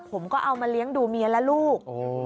ผมก็เอามาเลี้ยงดูเมียและลูก